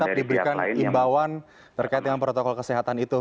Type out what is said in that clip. tapi tetap diberikan imbawan terkait dengan protokol kesehatan itu